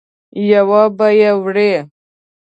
یو به یې وړې.